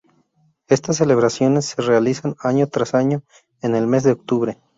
Estas celebraciones se realizan año tras año, en el mes de octubre.